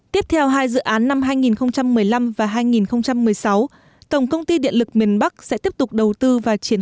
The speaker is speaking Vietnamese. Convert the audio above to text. tiếp theo hai dự án năm hai nghìn một mươi năm và hai nghìn một mươi sáu tổng công ty điện lực miền bắc sẽ tiếp tục đầu tư và triển